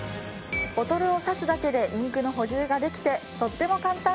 ボトルをさすだけでインクの補充ができてとっても簡単！